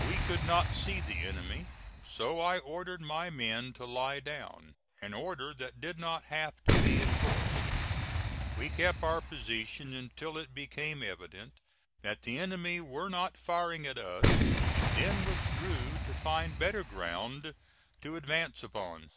We could not see the enemy, so I ordered my men to lie down, an order that did not have to be enforced. We kept our position until it became evident that the enemy were not firing at us, and then withdrew to find better ground to advance upon.